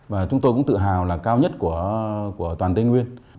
và chúng tôi cũng tự hào là cao nhất của toàn tây nguyên